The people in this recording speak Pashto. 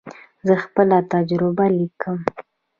زه خپله تجربه لیکم.